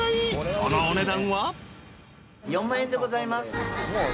［そのお値段は］